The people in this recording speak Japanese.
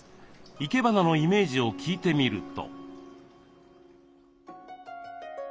生け花のイメージを聞いてみると。